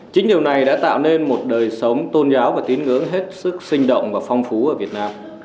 chính điều này đã tạo nên một đời sống tôn giáo và tín ngưỡng hết sức sinh động và phong phú ở việt nam